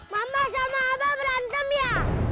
mama sama pak berantem ya